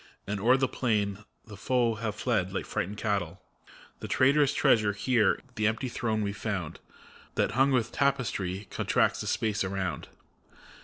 And o'er the plain the foe have fled like frightened cattle. The trait'rous treasure, here, the empty throne, we've found. That, hung with tapestry, contracts the space around.